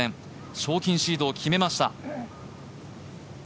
賞金シードを決めました。